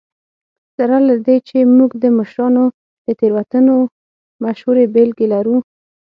سره له دې چې موږ د مشرانو د تېروتنو مشهورې بېلګې لرو.